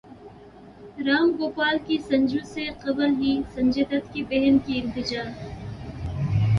رام گوپال کی سنجو سے قبل ہی سنجے دت کی بہن کی التجا